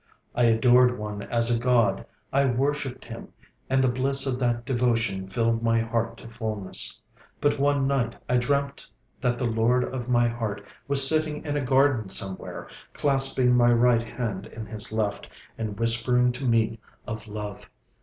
I adored one as a god, I worshipped him, and the bliss of that devotion filled my heart to fulness. But one night I dreamt that the lord of my heart was sitting in a garden somewhere, clasping my right hand in his left, and whispering to me of love.